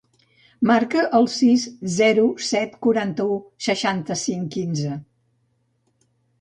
Marca el sis, zero, set, quaranta-u, seixanta-cinc, quinze.